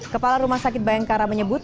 kepala rumah sakit bayangkara menyebut